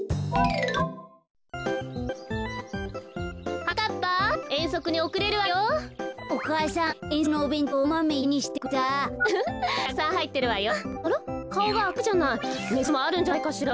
ねつでもあるんじゃないかしら。